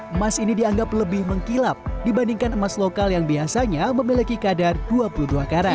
emas ini dianggap lebih mengkilap dibandingkan emas lokal yang biasanya memiliki kadar dua puluh dua karat